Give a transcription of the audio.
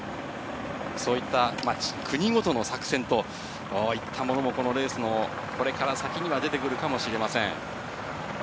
そういった、国ごとの作戦といったものも、このレースのこれから先には出てくるかもしれません。